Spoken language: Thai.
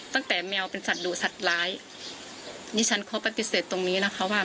แมวเป็นสัตว์ดูสัตว์ร้ายดิฉันขอปฏิเสธตรงนี้นะคะว่า